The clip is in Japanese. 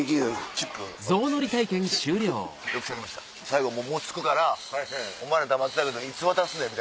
最後もう着くからお前ら黙ってたけどいつ渡すねん？